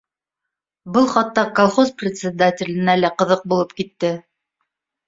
Был хатта колхоз председателенә лә ҡыҙыҡ булып китте